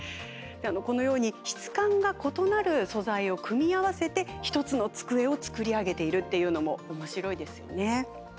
このように質感が異なる素材を組み合わせて１つの机を作り上げているっていうのもおもしろいですよね。